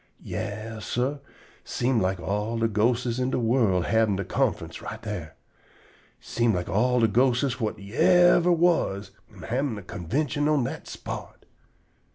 Yas, sah, seem like all de ghostes in de world havin' de conferince right dar. Seem like all de ghosteses whut yever was am havin' a convintion on dat spot.